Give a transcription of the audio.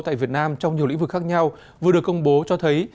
tại việt nam trong nhiều lĩnh vực khác nhau vừa được công bố cho thấy